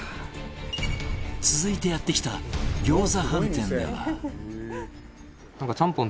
続いてやって来た餃子飯店では